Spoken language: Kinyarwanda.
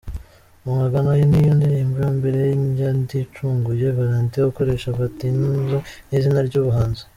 Mumagana’ niyo ndirimbo ya mbere ya Ndicunguye Valentin ukoresha Vantizzo nk’izina ry’ubuhanzi.